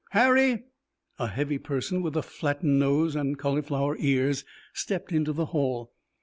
"Harry!" A heavy person with a flattened nose and cauliflower ears stepped into the hall.